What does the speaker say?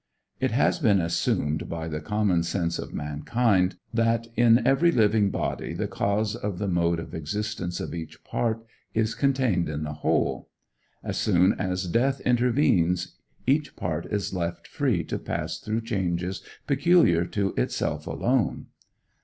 It has been assumed by the common sense of mankind that in every living body the cause of the mode of existence of each part is contained in the whole. As soon as death intervenes each part is left free to pass through changes peculiar to itself alone.